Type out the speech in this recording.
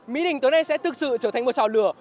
mỹ đình tối nay sẽ thực sự trở thành một trào lửa